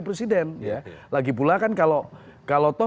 presiden lagipula kan kalau